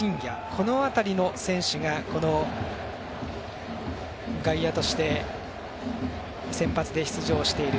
この辺りの選手が外野として先発で出場している。